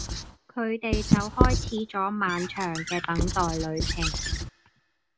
佢哋就開始咗漫長嘅等待旅程